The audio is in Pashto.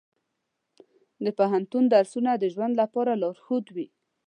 د پوهنتون درسونه د ژوند لپاره لارښود وي.